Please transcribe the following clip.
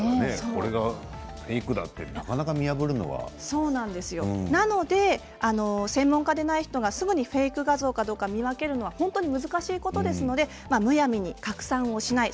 これがフェークだってなので専門家でない人がすぐにフェーク画像かどうか見分けるのは本当に難しいことですので、むやみに拡散しない。